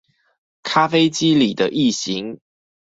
咖啡機裡的異型